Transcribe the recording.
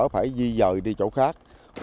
phải di dời đi chỗ khác